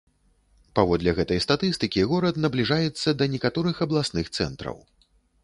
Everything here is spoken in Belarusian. Паводле гэтай статыстыкі горад набліжаецца да некаторых абласных цэнтраў.